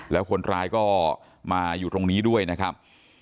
แล้วคนร้ายก็มาอยู่ตรงนี้ด้วยนะครับ